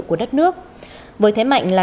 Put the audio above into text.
của đất nước với thế mạnh là